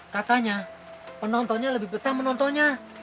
katanya penontonnya lebih betah menontonnya